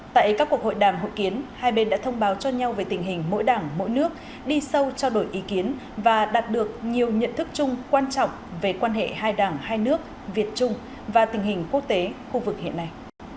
tại các cuộc hội đàm hội kiến hai bên đã thông báo cho nhau về tình hình mỗi đảng mỗi nước đi sâu trao đổi ý kiến và đạt được nhiều nhận thức chung quan trọng về quan hệ hai đảng hai nước việt trung và tình hình quốc tế khu vực hiện nay